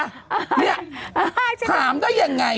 เนี่ยถามได้ยังไง